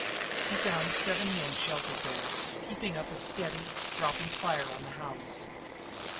He found seven men sheltered there, keeping up a steady, dropping fire on the house.